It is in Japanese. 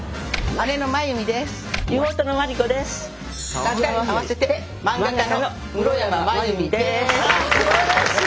ああすばらしい！